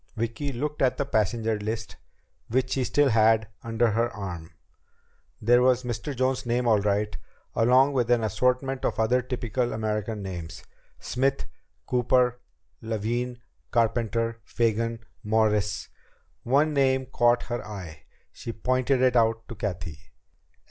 Vicki looked at the passenger list which she still had under her arm. There was Mr. Jones's name all right, along with an assortment of other typical American names: Smith, Cooper, Levin, Carpenter, Fagan, Morris ... One name caught her eye. She pointed it out to Cathy.